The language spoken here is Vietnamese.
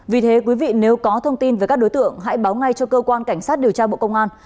vì thế quý vị nếu có thông tin về các đối tượng hãy báo ngay cho cơ quan cảnh sát điều tra bộ công an